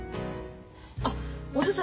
あお父さん